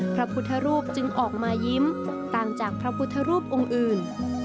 พระพุทธรูปจึงออกมายิ้มต่างจากพระพุทธรูปองค์อื่น